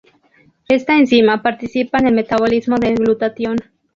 Esta enzima participa en el metabolismo del glutatión.